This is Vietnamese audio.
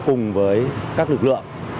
cùng với các lực lượng